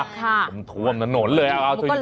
ค่ะถวมถนนเลยอ้าวช่วยเห็นน่ะ